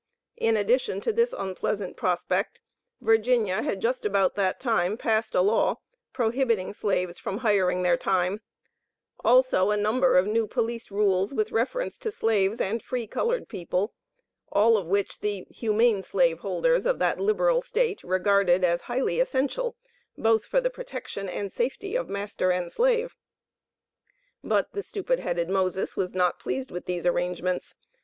In addition to this unpleasant prospect, Virginia had just about that time passed a law "prohibiting Slaves from hiring their time" also, a number of "new Police rules with reference to Slaves and free colored people," all of which, the "humane Slave holders" of that "liberal State," regarded as highly essential both for the "protection and safety of Master and Slave." But the stupid headed Moses was not pleased with these arrangements.